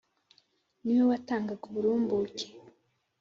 ni we watangaga uburumbuke